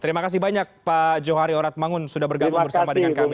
terima kasih banyak pak johari orat mangun sudah bergabung bersama dengan kami